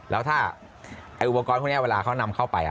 แล้วถ้าอุปกรณ์พวกนี้เวลาเขานำเข้าไป